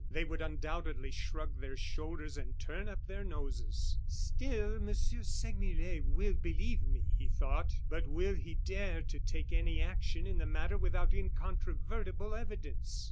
They would, undoubtedly, shrug their shoulders and turn up their noses. "Still, Monsieur Segmuller will believe me," he thought. "But will he dare to take any action in the matter without incontrovertible evidence?"